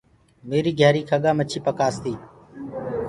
ميري گھيآري کڳآ مڇي پآس تي۔